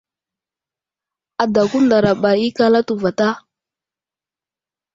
Adako ndaraɓa ikal atu vatá ?